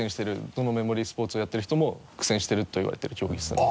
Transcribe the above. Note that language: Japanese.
どのメモリースポーツをやってる人も苦戦してるといわれている競技ですね。